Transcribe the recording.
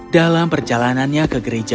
dalam perjalanannya ke gereja